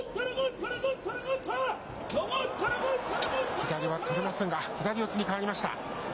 左は取れませんが、左四つに変わりました。